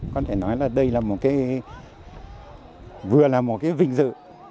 có thể nói là đây là một cái vừa là một cái vinh dự